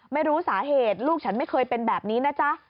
ไม่รู้สาเหตุลูกฉันไม่เคยเป็นแบบนี้นะจ๊ะ